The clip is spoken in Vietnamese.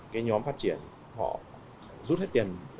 cái nhóm phát triển họ rút hết tiền